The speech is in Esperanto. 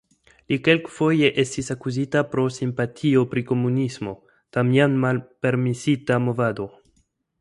Li kelkfoje estis akuzita pro simpatio pri komunismo (tam jam malpermesita movado).